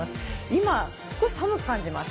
今少し寒く感じます。